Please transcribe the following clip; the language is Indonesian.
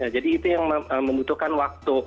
jadi itu yang membutuhkan waktu